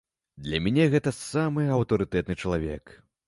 Для мяне гэта самы аўтарытэтны чалавек.